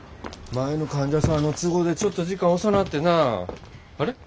前の患者さんの都合でちょっと時間遅なってなあ。